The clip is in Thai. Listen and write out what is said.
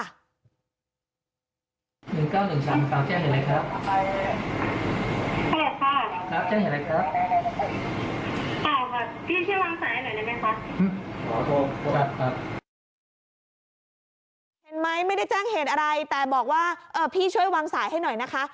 เห็นไหมไม่ได้แจ้งเหตุอะไรแต่บอกว่าพี่ช่วยวางสายให้หน่อยนะคะ